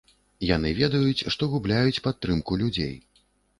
Яны ведаюць, што губляюць падтрымку людзей.